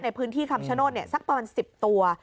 ในพื้นที่คำชะโน้นเนี่ยสักประมาณสิบตัว